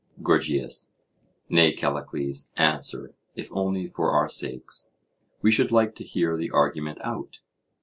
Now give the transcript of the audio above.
GORGIAS: Nay, Callicles, answer, if only for our sakes;—we should like to hear the argument out.